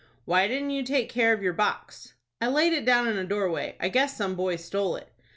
"Why didn't you take care of your box?" "I laid it down in a doorway. I guess some boy stole it."